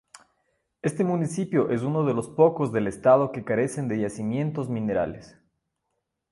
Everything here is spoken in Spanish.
Este municipio es uno de los pocos del estado que carecen de yacimientos minerales.